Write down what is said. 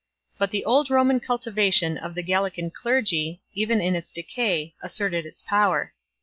But the old Roman cultivation of the Gallican clergy, even in its decay, asserted its power.